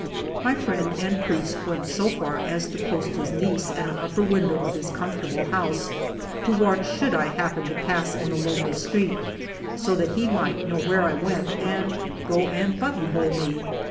My friend the priest went so far as to post his niece at an upper window of his comfortable house to watch should I happen to pass in the lonely street, so that he might know where I went, and go and button hole me.